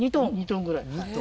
２トンぐらい。